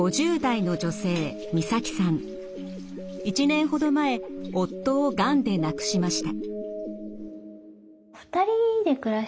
１年ほど前夫をがんでなくしました。